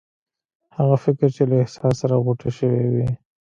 هغه فکر چې له احساس سره غوټه شوی وي.